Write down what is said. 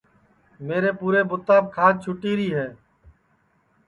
میرے پُورے بُوتاپ کھاج چُھٹیری ہے